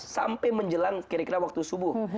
sampai menjelang kira kira waktu subuh